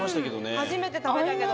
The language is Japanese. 初めて食べたけど。